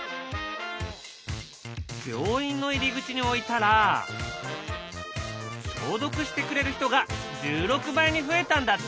病院の入り口に置いたら消毒してくれる人が１６倍に増えたんだって。